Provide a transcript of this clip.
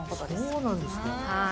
そうなんですか。